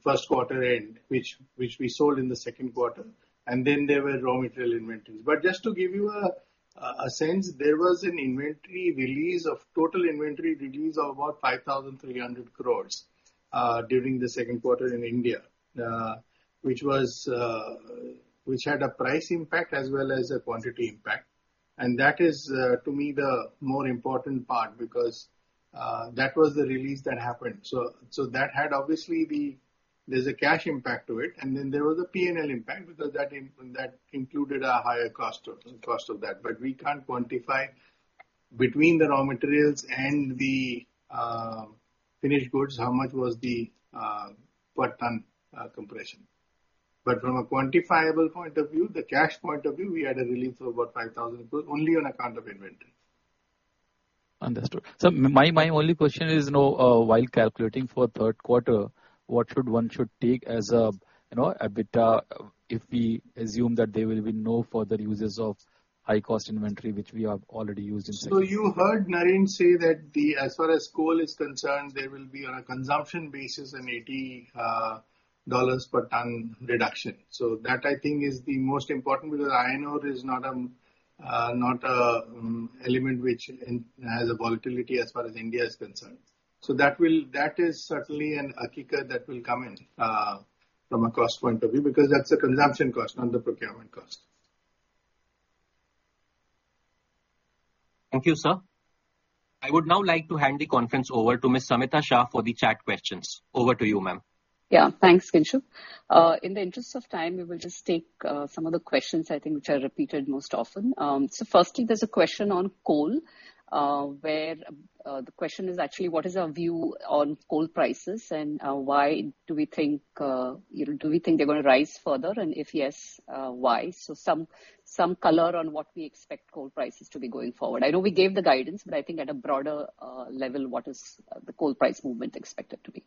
first quarter end which we sold in the second quarter and then there were raw material inventories. Just to give you a sense, there was a total inventory release of about 5,300 crore during the second quarter in India, which had a price impact as well as a quantity impact. That is to me the more important part because that was the release that happened. That had obviously. There's a cash impact to it, and then there was a P&L impact because that included a higher cost of that. We can't quantify between the raw materials and the finished goods how much was the per tonne compression. From a quantifiable point of view, the cash point of view, we had a relief of about 5,000, but only on account of inventory. Understood. My only question is, you know, while calculating for third quarter, what should one take as a, you know, EBITDA if we assume that there will be no further uses of high cost inventory, which we have already used in the second quarter. You heard Naren say that as far as coal is concerned, there will be on a consumption basis an $80 per tonne reduction. That I think is the most important because iron ore is not an element which has a volatility as far as India is concerned. That will, that is, certainly an accrual that will come in from a cost point of view, because that's a consumption cost, not the procurement cost. Thank you, sir. I would now like to hand the conference over to Miss Samita Shah for the chat questions. Over to you, ma'am. Yeah, thanks, Kinshuk. In the interest of time, we will just take some of the questions I think which are repeated most often. Firstly, there's a question on coal, where the question is actually what is our view on coal prices and why do we think you know, do we think they're gonna rise further? And if yes, why? Some color on what we expect coal prices to be going forward. I know we gave the guidance, but I think at a broader level, what is the coal price movement expected to be?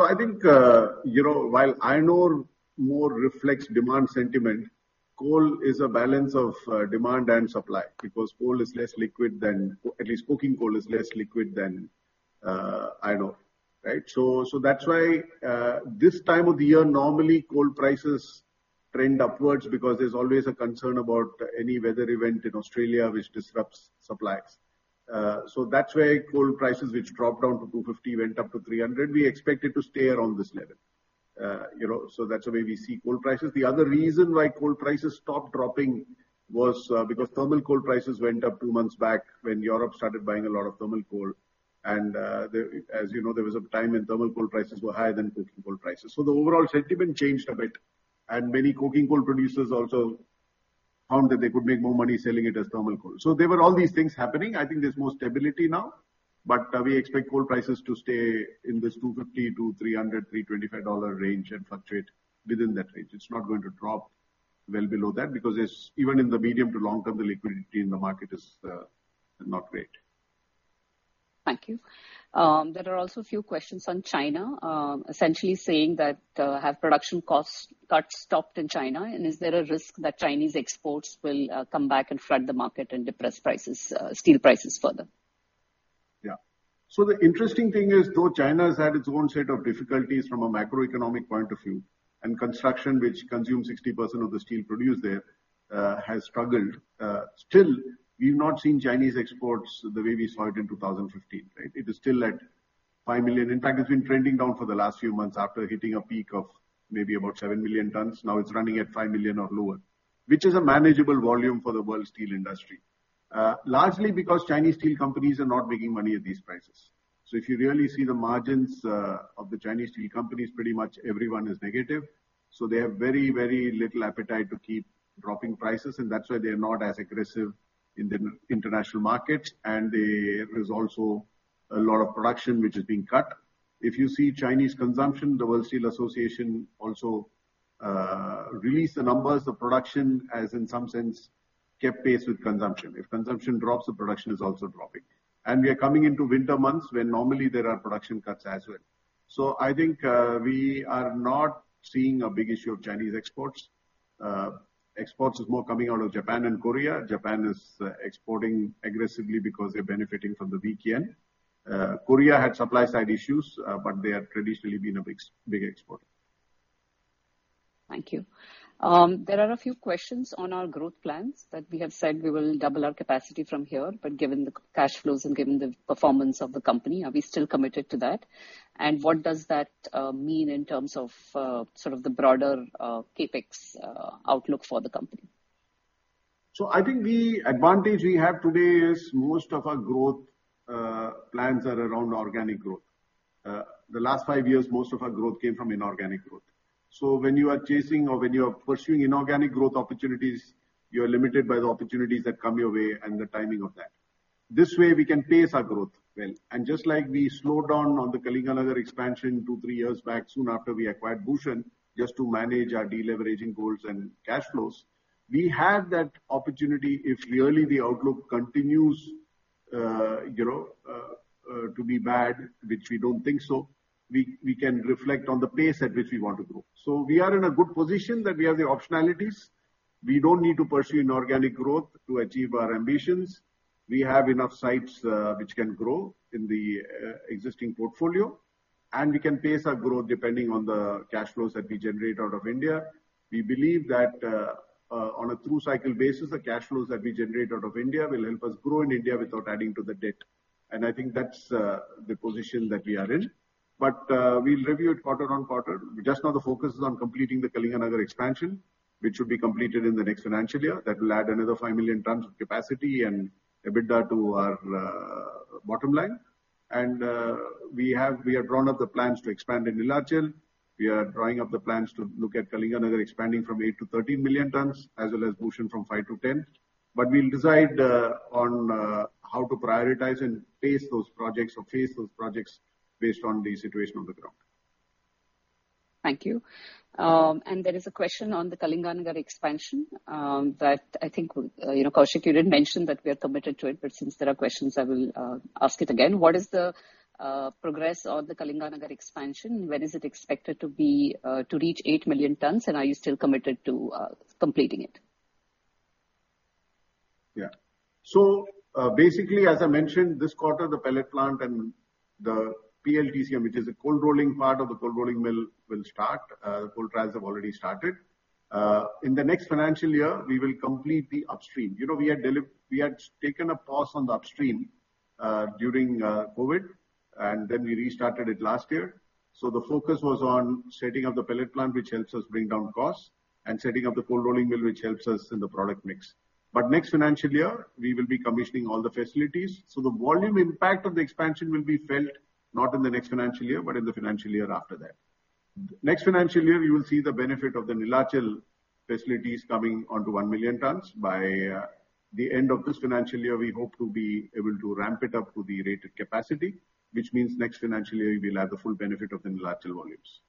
I think, you know, while iron ore more reflects demand sentiment, coal is a balance of demand and supply because coal is less liquid than at least coking coal is less liquid than iron ore. Right? That's why this time of the year, normally coal prices trend upwards because there's always a concern about any weather event in Australia which disrupts supplies. That's why coal prices which dropped down to $250 went up to $300. We expect it to stay around this level. You know, that's the way we see coal prices. The other reason why coal prices stopped dropping was because thermal coal prices went up two months back when Europe started buying a lot of thermal coal. As you know, there was a time when thermal coal prices were higher than coking coal prices. The overall sentiment changed a bit. Many coking coal producers also found that they could make more money selling it as thermal coal. There were all these things happening. I think there's more stability now. We expect coal prices to stay in this $250-$325 range and fluctuate within that range. It's not going to drop well below that because it's, even in the medium to long term, the liquidity in the market is not great. Thank you. There are also a few questions on China, essentially saying that have production costs dropped in China? Is there a risk that Chinese exports will come back and flood the market and depress steel prices further? Yeah. The interesting thing is though China has had its own set of difficulties from a macroeconomic point of view, and construction which consumes 60% of the steel produced there has struggled. Still we've not seen Chinese exports the way we saw it in 2015, right? It is still at 5 million. In fact, it's been trending down for the last few months after hitting a peak of maybe about 7 million tonnes. Now it's running at 5 million or lower, which is a manageable volume for the world steel industry. Largely because Chinese steel companies are not making money at these prices. So if you really see the margins of the Chinese steel companies, pretty much everyone is negative. They have very, very little appetite to keep dropping prices, and that's why they're not as aggressive in the international market. There is also a lot of production which is being cut. If you see Chinese consumption, the World Steel Association also released the numbers of production as in some sense kept pace with consumption. If consumption drops, the production is also dropping. We are coming into winter months when normally there are production cuts as well. I think we are not seeing a big issue of Chinese exports. Exports is more coming out of Japan and Korea. Japan is exporting aggressively because they're benefiting from the weak yen. Korea had supply side issues, but they have traditionally been a big, big exporter. Thank you. There are a few questions on our growth plans, that we have said we will double our capacity from here, but given the cash flows and given the performance of the company, are we still committed to that? What does that mean in terms of sort of the broader CapEx outlook for the company? I think the advantage we have today is most of our growth plans are around organic growth. The last five years, most of our growth came from inorganic growth. When you are chasing or when you are pursuing inorganic growth opportunities, you are limited by the opportunities that come your way and the timing of that. This way, we can pace our growth well. Just like we slowed down on the Kalinganagar expansion two, three years back, soon after we acquired Bhushan Steel, just to manage our deleveraging goals and cash flows, we have that opportunity if really the outlook continues, you know, to be bad, which we don't think so, we can reflect on the pace at which we want to grow. We are in a good position that we have the optionalities. We don't need to pursue inorganic growth to achieve our ambitions. We have enough sites, which can grow in the existing portfolio. We can pace our growth depending on the cash flows that we generate out of India. We believe that, on a true cycle basis, the cash flows that we generate out of India will help us grow in India without adding to the debt. I think that's the position that we are in. We'll review it quarter on quarter. Just now the focus is on completing the Kalinganagar expansion, which should be completed in the next financial year. That will add another 5 million tonnes of capacity and EBITDA to our bottom line. We have drawn up the plans to expand in Neelachal. We are drawing up the plans to look at Kalinganagar expanding from 8-13 million tonnes as well as Bhushan from 5-10. We'll decide on how to prioritize and pace those projects or phase those projects based on the situation on the ground. Thank you. There is a question on the Kalinganagar expansion, that I think, you know, Koushik, you did mention that we are committed to it, but since there are questions I will ask it again. What is the progress on the Kalinganagar expansion? When is it expected to be to reach 8 million tonnes? And are you still committed to completing it? Yeah. Basically, as I mentioned, this quarter the pellet plant and the PLTCM, which is the cold rolling part of the cold rolling mill, will start. Cold trials have already started. In the next financial year, we will complete the upstream. You know, we had taken a pause on the upstream during COVID, and then we restarted it last year. The focus was on setting up the pellet plant, which helps us bring down costs, and setting up the cold rolling mill, which helps us in the product mix. Next financial year, we will be commissioning all the facilities. The volume impact of the expansion will be felt not in the next financial year, but in the financial year after that. Next financial year, you will see the benefit of the Neelachal facilities coming onto 1 million tonnes. By the end of this financial year, we hope to be able to ramp it up to the rated capacity, which means next financial year we'll have the full benefit of the Neelachal volumes.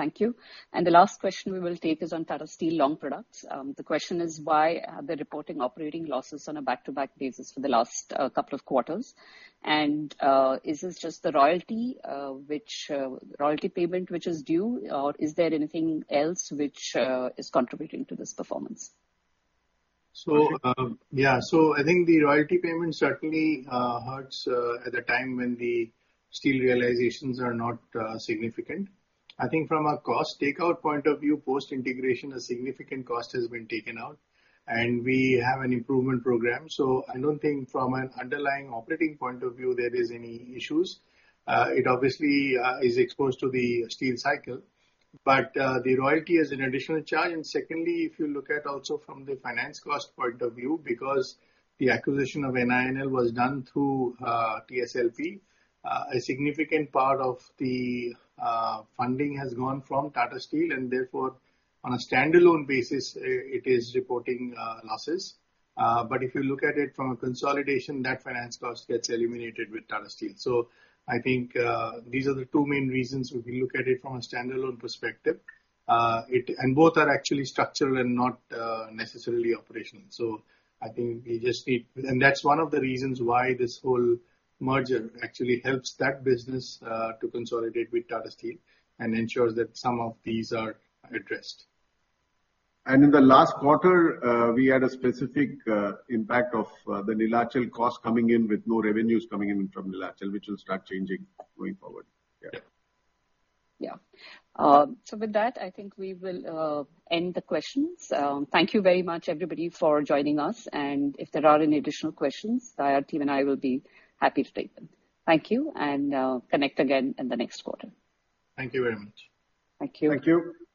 Thank you. The last question we will take is on Tata Steel Long Products. The question is, why are they reporting operating losses on a back-to-back basis for the last couple of quarters? Is this just the royalty payment which is due? Or is there anything else which is contributing to this performance? I think the royalty payment certainly hurts at a time when the steel realizations are not significant. I think from a cost takeout point of view, post-integration a significant cost has been taken out. We have an improvement program. I don't think from an underlying operating point of say there is any issues. It obviously is exposed to the steel cycle. The royalty is an additional charge. Secondly, if you look at also from the finance cost point of view, because the acquisition of NINL was done through TSLP, a significant part of the funding has gone from Tata Steel and therefore on a standalone basis it is reporting losses. If you look at it from a consolidation, that finance cost gets eliminated with Tata Steel. I think these are the two main reasons if you look at it from a standalone perspective. Both are actually structural and not necessarily operational. I think that's one of the reasons why this whole merger actually helps that business to consolidate with Tata Steel and ensures that some of these are addressed. In the last quarter, we had a specific impact of the Neelachal cost coming in with no revenues coming in from Neelachal, which will start changing going forward. Yeah. Yeah. With that, I think we will end the questions. Thank you very much, everybody, for joining us. If there are any additional questions, our team and I will be happy to take them. Thank you, and connect again in the next quarter. Thank you very much. Thank you. Thank you.